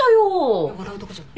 いや笑うとこじゃない。